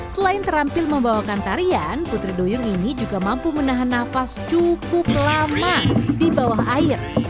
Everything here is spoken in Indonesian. selain terampil membawakan tarian putri duyung ini juga mampu menahan nafas cukup lama di bawah air